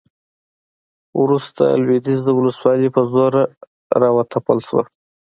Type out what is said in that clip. وروسته لویدیځه ولسواکي په زور راوتپل شوه